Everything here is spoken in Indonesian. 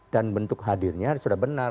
dan bentuk hadirnya sudah benar